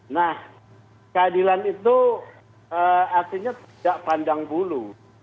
nah keadilan itu artinya tidak pandang bulu